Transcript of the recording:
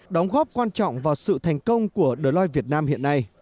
đóng góp quan trọng vào sự thành công của de việt nam hiện nay